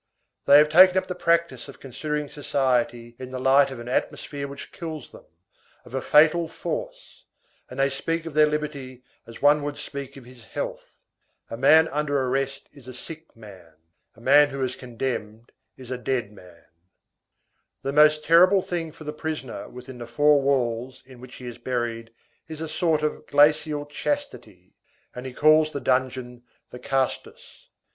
They have taken up the practice of considering society in the light of an atmosphere which kills them, of a fatal force, and they speak of their liberty as one would speak of his health. A man under arrest is a sick man; one who is condemned is a dead man. The most terrible thing for the prisoner within the four walls in which he is buried, is a sort of glacial chastity, and he calls the dungeon the castus.